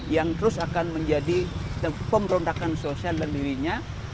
yang terus akan menjadi pemberondakan sosial dan dirinya